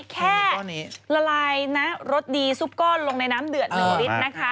แค่ละลายรสดีซุปก้อนลงในน้ำเดือดหนึ่งลิตร